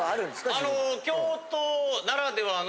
あの京都ならではの。